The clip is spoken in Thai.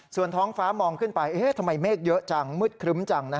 ส่วนท้องฟ้ามองขึ้นไปทำไมเมฆเยอะจังมืดครึ้มจัง